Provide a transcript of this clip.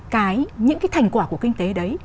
cái những cái thành quả của kinh tế đấy